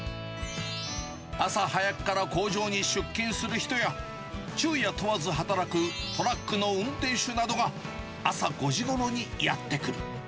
朝早くから工場に出勤する人や、昼夜問わず働くトラックの運転手などが、朝５時ごろにやって来る。